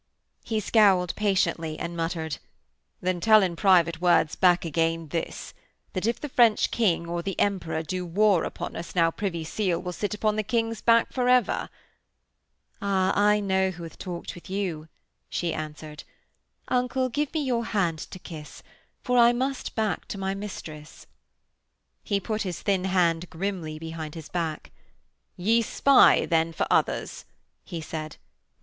He scowled patiently and muttered: 'Then tell in private words back again this: That if the French King or the Emperor do war upon us now Privy Seal will sit upon the King's back for ever.' 'Ah, I know who hath talked with you,' she answered. 'Uncle, give me your hand to kiss, for I must back to my mistress.' He put his thin hand grimly behind his back. 'Ye spy, then, for others,' he said.